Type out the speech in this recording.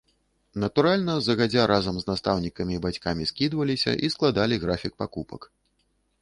Натуральна, загадзя разам з настаўнікамі і бацькамі скідваліся і складалі графік пакупак.